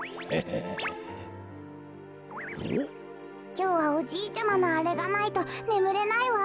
きょうはおじいちゃまのあれがないとねむれないわ。